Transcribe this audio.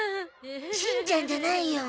しんちゃんじゃないよ。